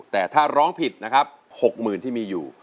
แต่ถ้าร้องผิดนะครับ๖๐๐๐ที่มีอยู่